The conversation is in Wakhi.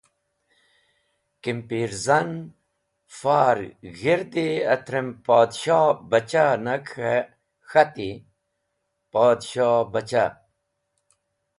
Kimpirzan far g̃hirdi atrem Podshohbachah nag k̃he k̃hati: Podshohbachah!